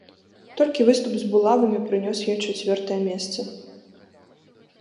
Толькі выступ з булавамі прынёс ёй чацвёртае месца.